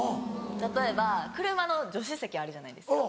例えば車の助手席あるじゃないですか。